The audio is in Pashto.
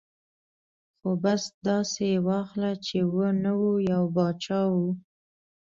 ـ خو بس داسې یې واخله چې و نه و ، یو باچا و.